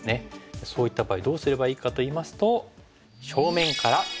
そういった場合どうすればいいかといいますと。